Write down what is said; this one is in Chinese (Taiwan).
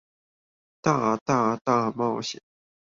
大、大、大冒險